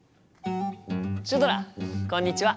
シュドラこんにちは！